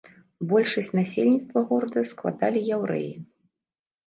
Большасць насельніцтва горада складалі яўрэі.